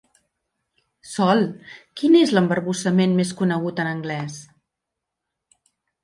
Sol, quin és l'embarbussament més conegut en anglès?